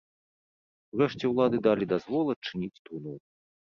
Урэшце ўлады далі дазвол адчыніць труну.